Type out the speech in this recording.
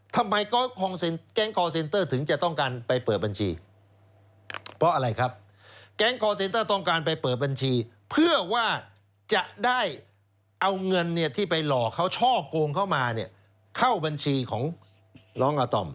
ทำไมแก๊งคอร์เซนเตอร์จะต้องการไปเปิดบัญชีเพื่อว่าจะได้เอาเงินที่ไปลอเขาช่อกงเข้ามาเข้าบัญชีของน้องอาตอม